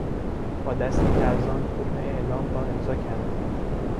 با دستی لرزان حکم اعدام را امضا کرد.